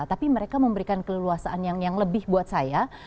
tapi mereka memberikan keleluasaan yang lebih buat saya